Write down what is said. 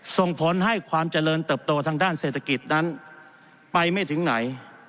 ส่งผลให้ความเจริญเติบโตทางด้านเศรษฐกิจนั้นไปไม่ถึงไหน